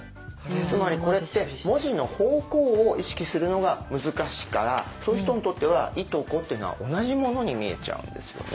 つまりこれって文字の方向を意識するのが難しいからそういう人にとっては「い」と「こ」っていうのは同じものに見えちゃうんですよね。